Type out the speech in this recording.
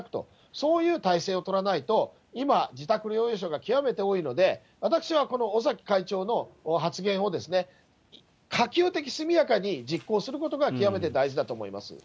そういう体制を取らないと、今、自宅療養者が極めて多いので、私はこの尾崎会長の発言を、可及的速やかに実行することが、極めて大事だと思います。